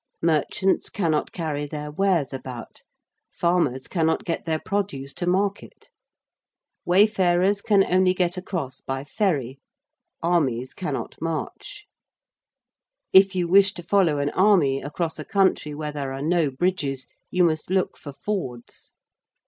Merchants cannot carry their wares about: farmers cannot get their produce to market: wayfarers can only get across by ferry: armies cannot march if you wish to follow an army across a country where there are no bridges you must look for fords.